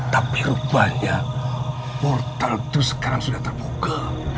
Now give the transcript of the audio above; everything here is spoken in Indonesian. tapi rupanya portal itu sekarang sudah terbuka